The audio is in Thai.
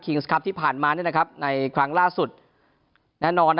คริงสครับที่ผ่านมาเนี่ยนะครับในครั้งล่าสุดแน่นอนนะครับ